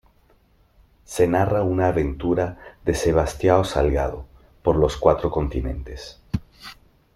Se narra una aventura de Sebastião Salgado por los cuatro continentes.